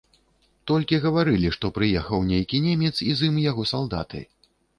Толькі гаварылі, што прыехаў нейкі немец і з ім яго салдаты.